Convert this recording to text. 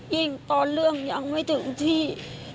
ยิ่งตอนเรื่องยังไม่ถึงจริง